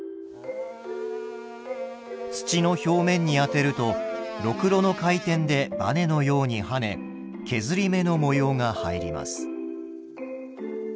土の表面に当てるとろくろの回転でバネのように跳ね削り目の模様が入ります。